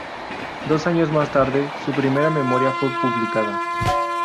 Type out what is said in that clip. Dos años más tarde, su primera memoria fue publicada.